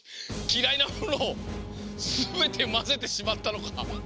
きらいなものをすべてまぜてしまったのか？